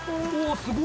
すごい。